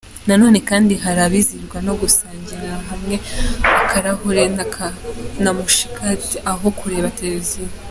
Nanone kandi hari abizihizwa no gusangirira hamwe akarahure na mushikaki, aho kureba televiziyo.